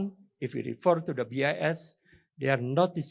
jika kita menggambarkan keuangan bis